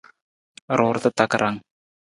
Ruurata takarang.